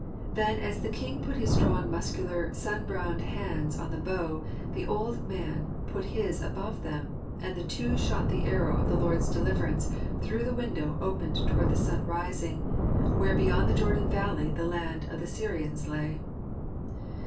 Then as the king put his strong muscular sun browned hands on the bow, the old man put his above them, and the two shot the arrow of the Lord's deliverance through the window opened toward the sun rising, where beyond the Jordan valley the land of the Syrians lay.